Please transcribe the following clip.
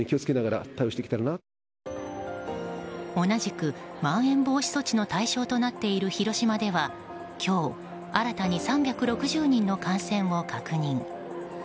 同じく、まん延防止措置の対象となっている広島では今日新たに３６０人の感染を確認。